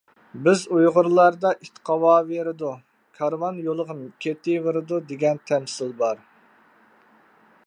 بىز ئۇيغۇرلاردا‹‹ ئىت قاۋاۋېرىدۇ، كارۋان يولىغا كېتىۋېرىدۇ››، دېگەن تەمسىل بار.